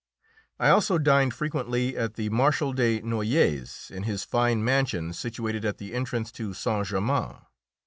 I also dined frequently at the Marshal de Noailles's, in his fine mansion situated at the entrance to Saint Germain.